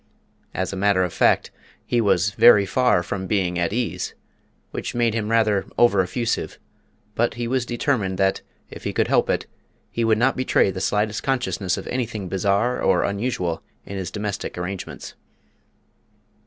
As a matter of fact, he was very far from being at ease, which made him rather over effusive, but he was determined that, if he could help it, he would not betray the slightest consciousness of anything bizarre or unusual in his domestic arrangements.